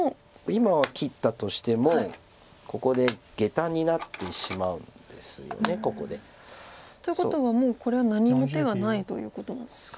今は切ったとしてもここでゲタになってしまうんですよね。ということはもうこれは何も手がないということですか？